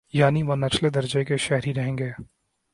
یعنی وہ نچلے درجے کے شہری رہیں گے۔